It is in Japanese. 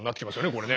これね。